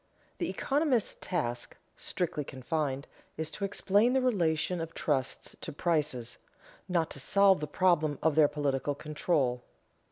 _The economist's task, strictly confined, is to explain the relation of trusts to prices, not to solve the problem of their political control.